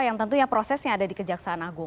yang tentunya prosesnya ada di kejaksaan agung